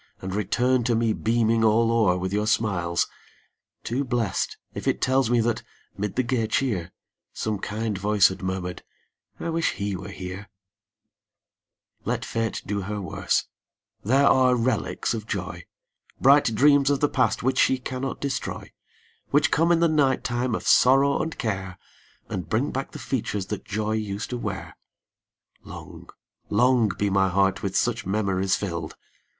And return to me beaming all o'er with your smiles — 1 5 Too blest, if it tells me that, 'mid the gay cheer, Some kind voice had murmur'd, " I wish he were here 1 " Let fate do her worst ; there are relics of joy, Bright dreams of the past, which she cannot destroy, Which come in the night time of sorrow and care, 2o And bring back the features that joy used to wear. Long, long be my heart with such memories fill'd